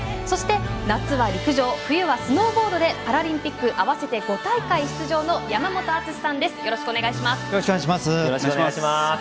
そして、夏は陸上冬はスノーボードでパラリンピック合わせて５大会出場の山本篤さんです。